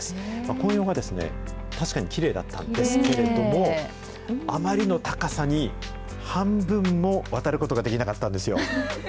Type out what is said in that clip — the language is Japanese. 紅葉が確かにきれいだったんですけれども、あまりの高さに、半分も渡ることができなかったんですよ。